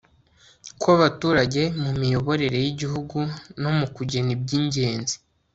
kw'abaturage mu miyoborere y'igihugu no mu kugena iby'ingenzi